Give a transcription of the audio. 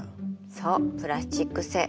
そうプラスチック製。